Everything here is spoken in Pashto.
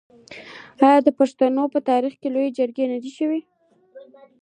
آیا د پښتنو په تاریخ کې لویې جرګې نه دي شوي؟